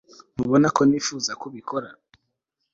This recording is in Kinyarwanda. Ntubona ko nifuza kubikora